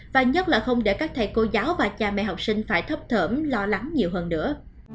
và nhất là không để các thầy cô giáo và cha mẹ học sinh phải thấp thỏm lo lắng nhiều hơn nữa